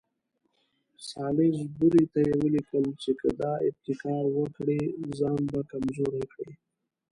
سالیزبوري ته یې ولیکل چې که دا ابتکار وکړي ځان به کمزوری کړي.